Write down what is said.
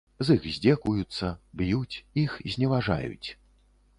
З іх здзекуюцца, б'юць, іх зневажаюць.